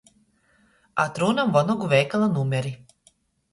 Atrūnam Vonogu veikala numeri.